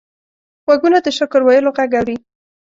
غوږونه د شکر ویلو غږ اوري